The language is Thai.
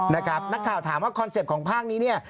นักข่าวถามว่าคอนเซ็ปต์ของภาคนี้เนี่ย